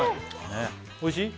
おいしい？